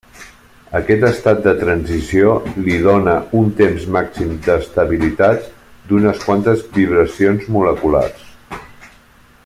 Aquest estat de transició li dóna un temps màxim d'estabilitat d'unes quantes vibracions moleculars.